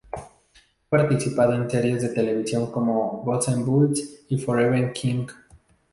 Ha participado en series de televisión como Goosebumps y Forever Knight.